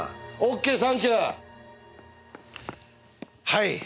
はい。